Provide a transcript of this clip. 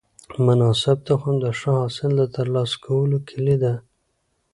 مناسب تخم د ښه حاصل د ترلاسه کولو کلي ده.